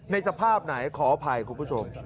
ในสภาพไหนขออภัยคุณผู้ชม